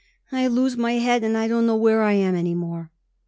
I lose my head and I don't know where I am any more."